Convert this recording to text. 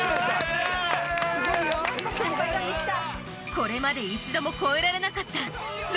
これまで一度も超えられなかったすげぇ！